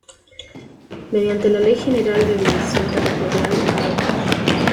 Mediante la Ley General de División Territorial no.